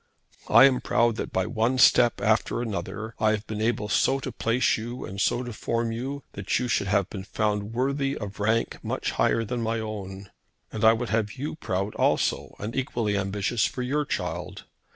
I am proud that by one step after another I have been able so to place you and so to form you that you should have been found worthy of rank much higher than my own. And I would have you proud also and equally ambitious for your child.